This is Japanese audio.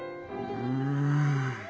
うん。